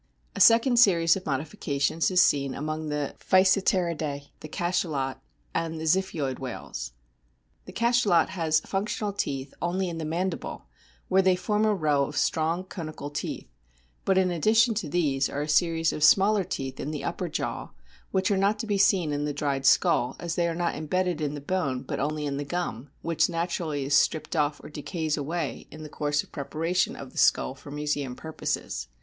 A second series of modifications is seen amono the o Physeteridae, the Cachalot, and the Ziphioid whales. The Cachalot has functional teeth only in the mandible, where they form a row of strong conical teeth ; but in addition to these are a series of smaller teeth in the upper jaw, which are not to be seen in the dried skull, as they are not embedded in the bone, but only in the gum, which naturally is stripped off or decays away in the course of preparation of the skull for museum purposes.